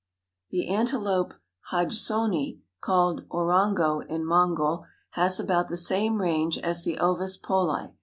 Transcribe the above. The Antilope hodgsoni, called orongo in Mongol, has about the same range as the Ovis poli.